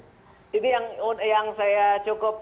jadi yang saya cukup